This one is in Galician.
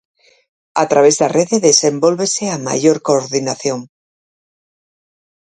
A través da rede desenvólvese a maior coordinación.